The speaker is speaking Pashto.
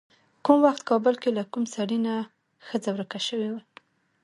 کوم وخت کابل کې له کوم سړي نه ښځه ورکه شوې وه.